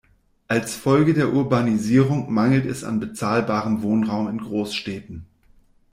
Als Folge der Urbanisierung mangelt es an bezahlbarem Wohnraum in Großstädten.